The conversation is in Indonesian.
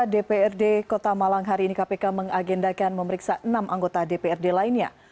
dprd kota malang hari ini kpk mengagendakan memeriksa enam anggota dprd lainnya